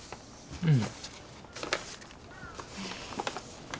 うん。